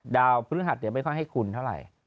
ดาวพฤหัสยังไม่ค่อนให้คุณเท่าไหร่